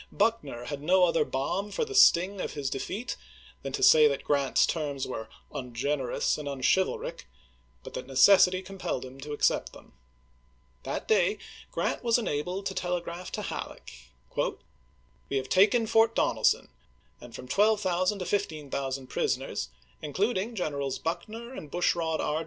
Buckuer had no other balm for the sting of his de feat than to say that Grant's terms were " ungener ous and unchivaMc," but that necessity compelled him to accept them. That day Grant was enabled to telegraph to Halleck :" We have taken Fort Donelson and from 12,000 to 15,000 prisoners, in cluding Generals Buckner and Bushrod R.